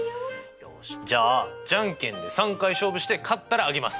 よしじゃあじゃんけんで３回勝負して勝ったらあげます。